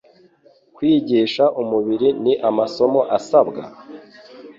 Kwigisha umubiri ni amasomo asabwa?